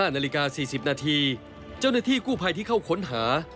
นาฬิกา๔๐นาทีเจ้าหน้าที่กู้ภัยที่เข้าค้นหา